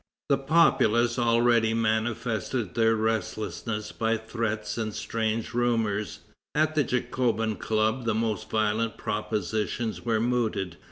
The populace already manifested their restlessness by threats and strange rumors. At the Jacobin Club the most violent propositions were mooted.